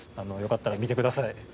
よかったら見てください。